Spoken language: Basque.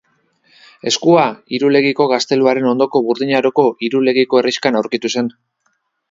Eskua, Irulegiko gazteluaren ondoko Burdin Aroko Irulegiko herrixkan aurkitu zen